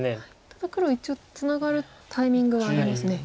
ただ黒一応ツナがるタイミングはありますね。